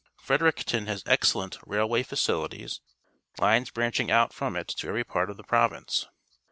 Fredericton has excellent railwav fac ilities, lines branching out from it to every part of the province.